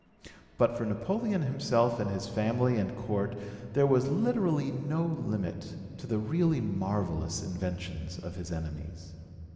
But for Napoleon himself and his family and Court there was literally no limit to the really marvellous inventions of his enemies.